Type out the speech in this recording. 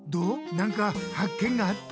何かはっけんがあった？